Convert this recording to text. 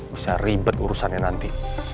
bisa ribet urusannya nanti